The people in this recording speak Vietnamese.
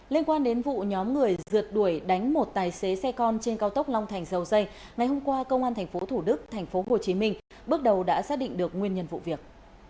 liên quan đến vụ nhóm người rượt đuổi đánh một tài xế xe con trên cao tốc long thành dầu dây ngày hôm qua công an tp thủ đức tp hcm bước đầu đã xác định được nguyên nhân vụ việc